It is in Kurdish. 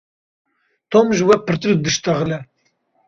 Tom ji we pirtir dişitexile.